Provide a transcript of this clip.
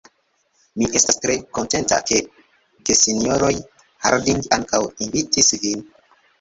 Mi estas tre kontenta, ke gesinjoroj Harding ankaŭ invitis vin.